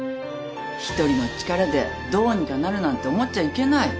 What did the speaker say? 一人の力でどうにかなるなんて思っちゃいけない。